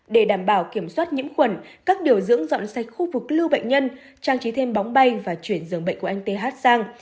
để đảm bảo kiểm soát nhiễm khuẩn các điều dưỡng dọn sạch khu vực lưu bệnh nhân trang trí thêm bóng bay và chuyển dường bệnh của anh th sang